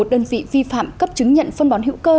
một mươi một đơn vị vi phạm cấp chứng nhận phân bón hữu cơ